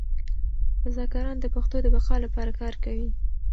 رضاکاران د پښتو د بقا لپاره کار کوي.